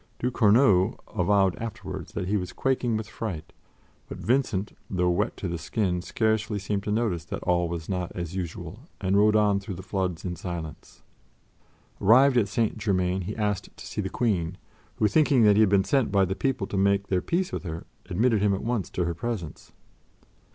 Du Corneau avowed afterwards that he was quaking with fright; but Vincent, though wet to the skin, scarcely seemed to notice that all was not as usual and rode on through the floods in silence. Arrived at St. Germain, he asked to see the Queen, who, thinking that he had been sent by the people to make their peace with her, admitted him at once to her presence.